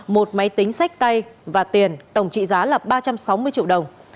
một máy tính sách tay và tiền tổng trị giá là ba trăm sáu mươi triệu đồng